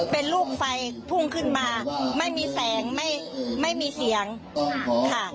เป็นลูกไฟพุ่งขึ้นมาไม่มีแสงไม่ไม่มีเสียงค่ะ